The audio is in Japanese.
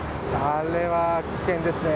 あれは危険ですね。